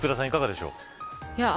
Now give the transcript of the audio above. いかがでしょうか。